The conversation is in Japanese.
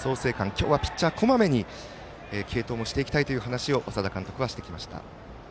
今日はピッチャー、こまめに継投もしていきたいという話を稙田監督はしていました。